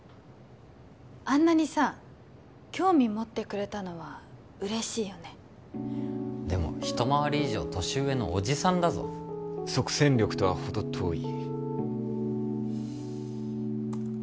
あんなにさ興味持ってくれたのは嬉しいよねでも一回り以上年上のおじさんだぞ即戦力とはほど遠い